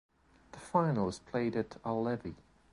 The final is played at Ullevi.